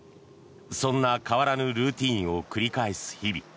そんな変わらぬルーチンを繰り返す日々。